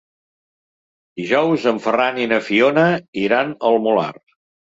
Dijous en Ferran i na Fiona iran al Molar.